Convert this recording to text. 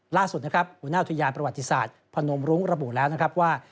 ล่าสุดนะครับหัวหน้าอุทยานประวัติศาสตร์พนมรุ้งระบุแล้วนะครับว่า